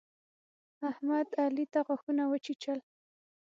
احمد، علي ته غاښونه وچيچل.